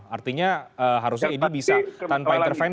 artinya harusnya idi bisa tanpa intervensi dong